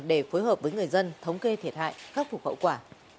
để phối hợp với người dân thống kê thiệt hại khắc phục hậu quả